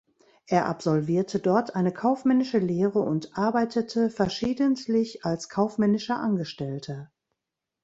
Er absolvierte dort eine kaufmännische Lehre und arbeitete verschiedentlich als kaufmännischer Angestellter.